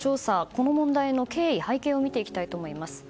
この問題の経緯背景を見ていきたいと思います。